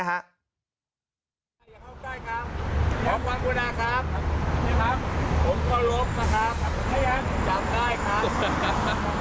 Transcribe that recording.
อย่าเข้าใจครับขอความบทนายครับผมขอรบมาครับ